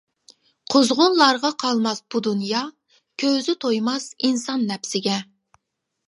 قۇزغۇنلارغا قالماس بۇ دۇنيا ، كۆزى تويماس ئىنسان نەپسىگە .